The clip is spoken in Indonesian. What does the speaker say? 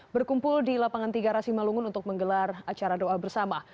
berkumpul di lapangan tiga rasimalungun untuk menggelar acara doa bersama